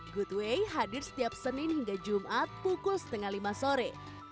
goodway hadir setiap senin hingga jumat pukul setengah lima sore